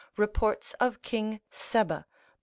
reports of King Sebba, lib.